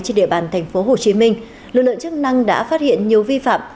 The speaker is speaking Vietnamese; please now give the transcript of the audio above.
trên địa bàn tp hcm lực lượng chức năng đã phát hiện nhiều vi phạm